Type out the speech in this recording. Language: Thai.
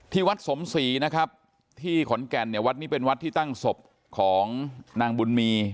วัดสมศรีนะครับที่ขอนแก่นเนี่ยวัดนี้เป็นวัดที่ตั้งศพของนางบุญมี